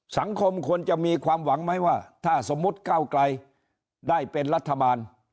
สังคมควรจะมีความหวังไหมว่าถ้าสมมุติก้าวไกลได้เป็นรัฐบาล